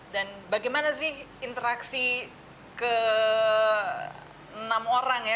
dan bagaimana sih interaksi ke enam orang ya